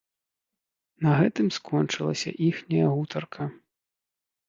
На гэтым скончылася іхняя гутарка.